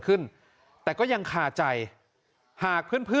ส่งมาขอความช่วยเหลือจากเพื่อนครับ